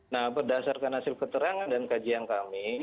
nah berdasarkan hasil keterangan dan kajian kami